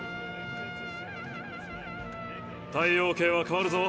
太陽系は変わるぞ。